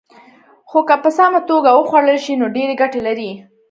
خو که په سمه توګه وخوړل شي، نو ډېرې ګټې لري.